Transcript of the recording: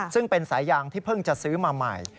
ซึ่งเป็นสายยางที่เพิ่งจะซื้อมาใหม่